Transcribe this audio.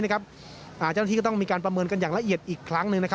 เจ้าหน้าที่ก็ต้องมีการประเมินกันอย่างละเอียดอีกครั้งหนึ่ง